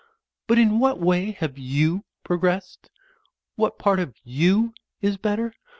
But in what way have you progressed? What part of you is better?